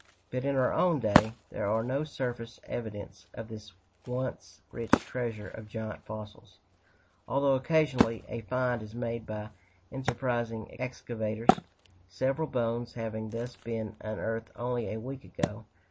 But in our own day, there are no surface evidences of this once rich treasure of giant fossils; although occasionally a "find" is made by enterprising excavators, several bones having thus been unearthed only a week ago.